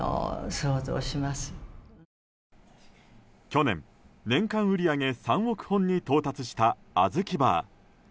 去年、年間売り上げ３億本に到達した、あずきバー。